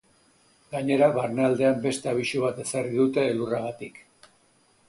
Gainera, barnealdean beste abisu bat ezarri dute elurragatik.